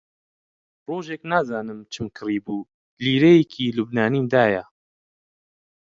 ڕۆژێک نازانم چم کڕیبوو، لیرەیەکی لوبنانیم دایە